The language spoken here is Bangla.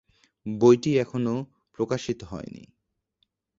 বইটি এখনো প্রকাশিত হয়নি।